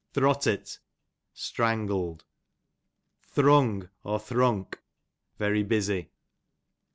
Throttlt', strangled. Thrung, Thrunk, very busy.